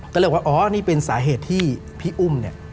ก็เลยว่าอ๋อนี่เป็นสาเหตุที่พี่อุ้มเนี่ย